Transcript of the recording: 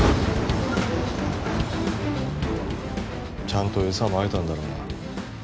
ちゃんとエサまいたんだろうな？